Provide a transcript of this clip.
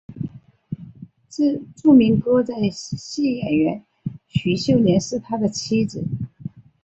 知名歌仔戏演员许秀年是他的妻子。